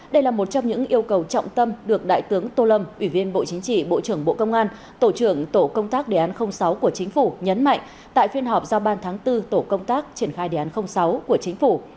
đây là một trong những yêu cầu trọng tâm được đại tướng tô lâm ủy viên bộ chính trị bộ trưởng bộ công an tổ trưởng tổ công tác đề án sáu của chính phủ nhấn mạnh tại phiên họp giao ban tháng bốn tổ công tác triển khai đề án sáu của chính phủ